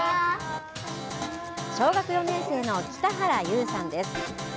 小学４年生の北原優さんです。